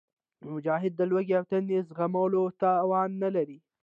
مجاهد د لوږې او تندې زغملو توان لري.